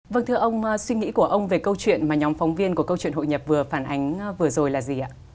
vâng thưa ông suy nghĩ của ông về câu chuyện mà nhóm phóng viên của câu chuyện hội nhập vừa phản ánh vừa rồi là gì ạ